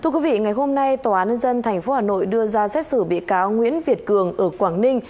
thưa quý vị ngày hôm nay tòa án dân thành phố hà nội đưa ra xét xử bị cáo nguyễn việt cường ở quảng ninh